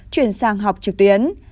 chuyển sang học trực tuyến